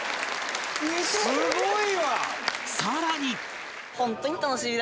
さらに